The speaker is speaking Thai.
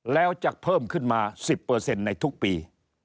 แล้วจะเพิ่มขึ้นมา๑๐ในทุกปี